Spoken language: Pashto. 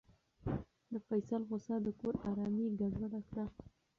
د فیصل غوسه د کور ارامي ګډوډه کړه.